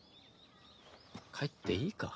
帰っていいか？